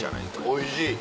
おいしい。